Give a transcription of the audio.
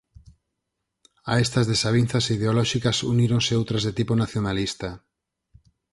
A estas desavinzas ideolóxicas uníronse outras de tipo nacionalista.